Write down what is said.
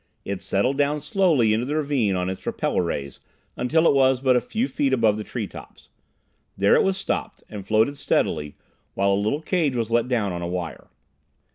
It settled down slowly into the ravine on its repeller rays until it was but a few feet above the tree tops. There it was stopped, and floated steadily, while a little cage was let down on a wire.